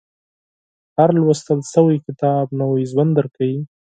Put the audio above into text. • هر لوستل شوی کتاب، نوی ژوند درکوي.